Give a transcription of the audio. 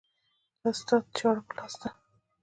د استاد چاړه په لاس کې